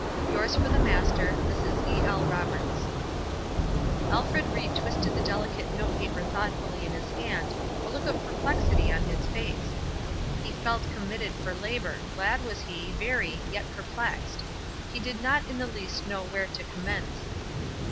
Yours for the Master, Mrs. E.L. Roberts. Alfred Ried twisted the delicate note paper thoughtfully in his hand, a look of perplexity on his face. He felt committed for labor; glad was he, very, yet perplexed. He did not in the least know where to commence.